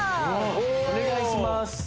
お願いします